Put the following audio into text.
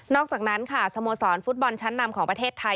อกจากนั้นค่ะสโมสรฟุตบอลชั้นนำของประเทศไทย